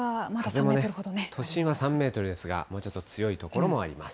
都心は３メートルですが、もうちょっと強い所もあります。